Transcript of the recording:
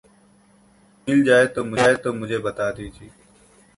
कुछ मिल जाये तो मुझे बता दीजिए।